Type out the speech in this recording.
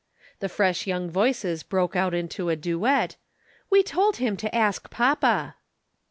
The fresh young voices broke out into a duet: "We told him to ask papa."